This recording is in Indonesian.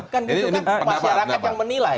kan gitu kan masyarakat yang menilai